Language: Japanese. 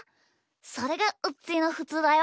それがうちのふつうだよ。